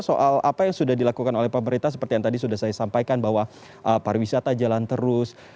soal apa yang sudah dilakukan oleh pemerintah seperti yang tadi sudah saya sampaikan bahwa pariwisata jalan terus